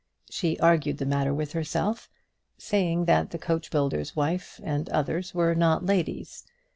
She argued the matter with herself, saying that the coachbuilder's wife and others were not ladies.